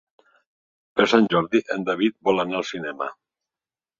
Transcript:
Per Sant Jordi en David vol anar al cinema.